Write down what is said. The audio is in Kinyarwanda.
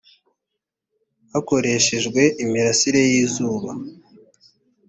hakoreshejwe imirasire y izuba